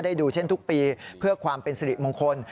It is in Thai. ดูเช่นทุกปีเพื่อความเป็นสิริมงคล